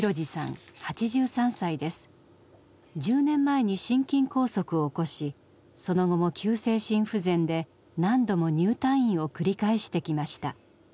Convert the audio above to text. １０年前に心筋梗塞を起こしその後も急性心不全で何度も入退院を繰り返してきました。